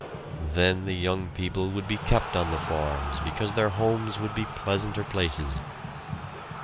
Then the young people would be kept on the farms because their homes would be pleasanter places.